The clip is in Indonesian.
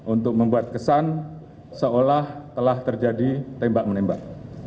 untuk membuat kesan seolah telah terjadi tembak menembak